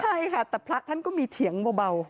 ใช่ค่ะแต่พระท่านก็มีเถียงเบา